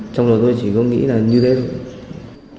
trong đời tôi chỉ có nghĩ là như thế thôi